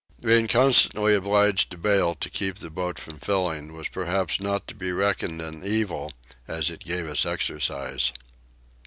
Being constantly obliged to bale to keep the boat from filling was perhaps not to be reckoned an evil as it gave us exercise.